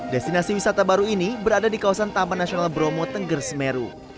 destinasi wisata baru ini berada di kawasan taman nasional bromo tengger semeru